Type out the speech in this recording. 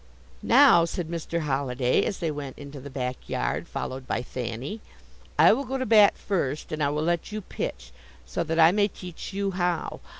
"Now," said Mr. Holliday, as they went into the back yard, followed by Thanny, "I will go to bat first, and I will let you pitch, so that I may teach you how.